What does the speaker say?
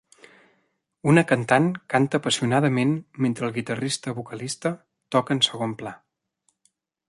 Una cantant canta apassionadament mentre el guitarrista vocalista toca en segon pla.